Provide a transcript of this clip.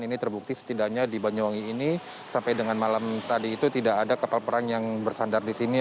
ini terbukti setidaknya di banyuwangi ini sampai dengan malam tadi itu tidak ada kapal perang yang bersandar di sini